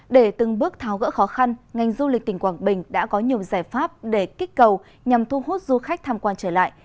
để từng bước tháo gỡ khó khăn ngành du lịch tỉnh quảng bình đã có nhiều giải pháp để kích cầu nhằm thu hút du khách tham quan trở lại